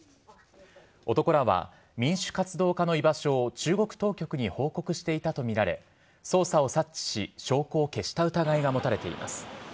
男らは民主活動家の居場所を中国当局に報告していたと見られ、捜査を察知し、証拠を消した疑いが持たれています。